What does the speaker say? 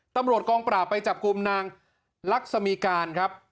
ตำรวจกองปราบไปจับกลุ่มนางลักษมีการครับ